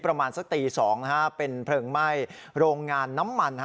ประมาณสักตี๒เป็นเพลิงไหม้โรงงานน้ำมัน